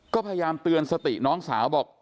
ก็พยายามเตือนสติน้องสาวบอก